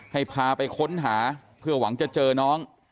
ให้พาไปค้นหาเพื่อหวังจะเจอน้อง